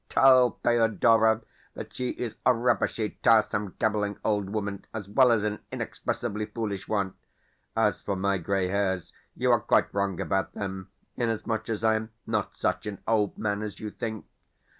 Tell Thedora that she is a rubbishy, tiresome, gabbling old woman, as well as an inexpressibly foolish one. As for my grey hairs, you are quite wrong about them, inasmuch as I am not such an old man as you think.